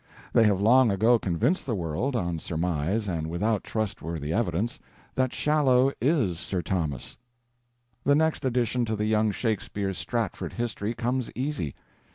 They have long ago convinced the world—on surmise and without trustworthy evidence—that Shallow is Sir Thomas. The next addition to the young Shakespeare's Stratford history comes easy.